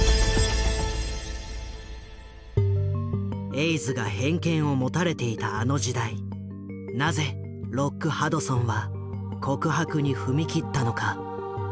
エイズが偏見を持たれていたあの時代なぜロック・ハドソンは告白に踏み切ったのか。